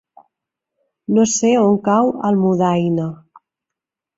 No sé on cau Almudaina.